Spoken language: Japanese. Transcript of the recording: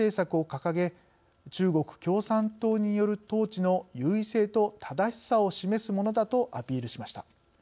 掲げ中国共産党による統治の優位性と正しさを示すものだとアピールしました。